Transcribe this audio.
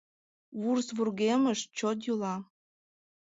Вурс вургемышт чот йӱла.